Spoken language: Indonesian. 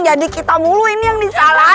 jadi kita mulu ini yang disalahin